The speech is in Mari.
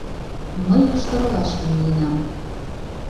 Мый Йошкар-Олашке миенам...